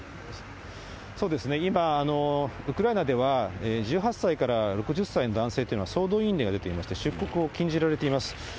今、ウクライナでは１８歳から６０歳の男性というのは、総動員令が出ていまして、出国を禁じられています。